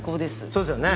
そうですよね。